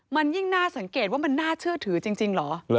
มันยิ่งน่าสังเกตว่ามันน่าเชื่อถือจริงเหรอ